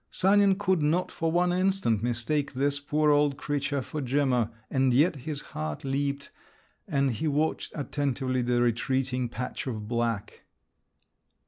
Sanin could not for one instant mistake this poor old creature for Gemma; and yet his heart leaped, and he watched attentively the retreating patch of black.